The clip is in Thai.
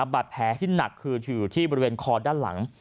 บาดแผลที่หนักคืออยู่ที่บริเวณคอด้านหลัง